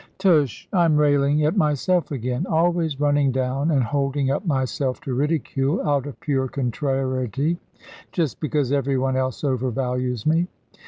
Tush I am railing at myself again! Always running down, and holding up myself to ridicule, out of pure contrariety, just because every one else overvalues me.